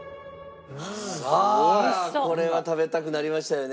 これは食べたくなりましたよね。